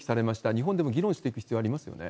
日本でも議論していく必要ありますよね。